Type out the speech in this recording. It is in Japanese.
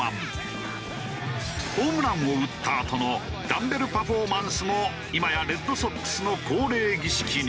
ホームランを打ったあとのダンベルパフォーマンスも今やレッドソックスの恒例儀式に。